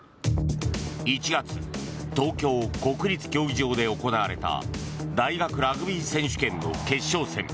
１月東京・国立競技場で行われた大学ラグビー選手権の決勝戦。